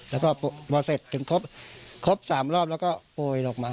แล้วก็ประเศษถึงครบครบสามรอบแล้วก็โปยออกมา